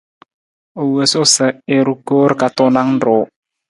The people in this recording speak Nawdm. U wosu sa i ru koor ka tuunang ruu.